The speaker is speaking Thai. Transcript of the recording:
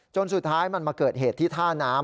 จนสุดท้ายมันมาเกิดเหตุที่ท่าน้ำ